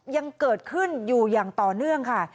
ยังเกิดขึ้นอยู่อย่างต่อเนื่องค่ะ